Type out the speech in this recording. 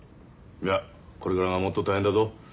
いやこれからがもっと大変だぞ。